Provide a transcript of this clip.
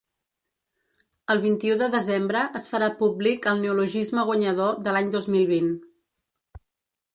El vint-i-u de desembre es farà públic el neologisme guanyador de l’any dos mil vint.